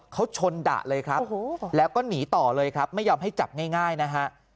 เขาชนดะเลยครับแล้วก็หนีต่อเลยครับไม่ยอมให้จับง่ายนะฮะ